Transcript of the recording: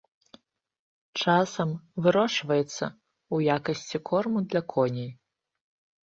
Часам вырошчваецца ў якасці корму для коней.